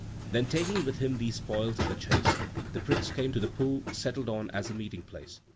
Then taking with him these spoils of the chase, the Prince came to the pool settled on as a meeting place.